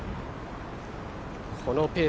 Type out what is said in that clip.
このペース